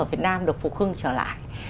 ở việt nam được phục hưng trở lại